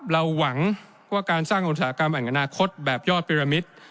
เราหวังว่าการสร้างอุตสาหกรรมแห่งอนาคตแบบยอดวิรมิตร